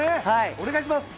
お願いします。